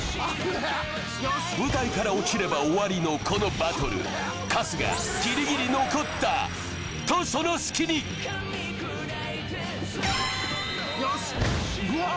ねっ舞台から落ちれば終わりのこのバトル春日ギリギリ残ったとその隙によしうわっ